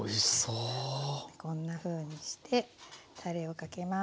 こんなふうにしてたれをかけます。